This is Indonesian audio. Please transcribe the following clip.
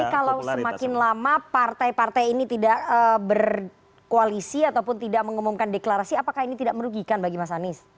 tapi kalau semakin lama partai partai ini tidak berkoalisi ataupun tidak mengumumkan deklarasi apakah ini tidak merugikan bagi mas anies